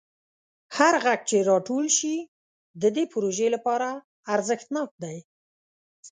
هر غږ چې راټول شي د دې پروژې لپاره ارزښتناک دی.